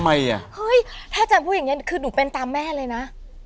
ถ้าอาจารย์พูดอย่างนี้คือหนูเป็นตามแม่เลยนะ